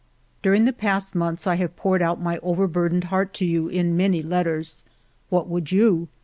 " During the last months I have poured out my overburdened heart to you in many letters. What would you?